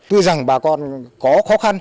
tuy rằng bà con có khó khăn